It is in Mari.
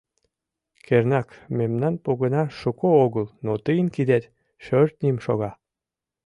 Кернак, мемнан погына шуко огыл, но тыйын кидет шӧртньым шога.